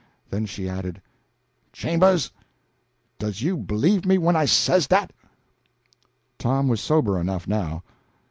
Then she added, "Chambers, does you b'lieve me when I says dat?" Tom was sober enough now.